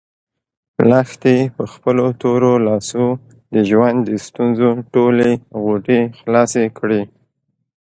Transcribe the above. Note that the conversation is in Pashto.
لښتې په خپلو تورو لاسو د ژوند د ستونزو ټولې غوټې خلاصې کړې.